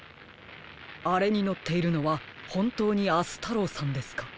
あれにのっているのはほんとうに明日太郎さんですか？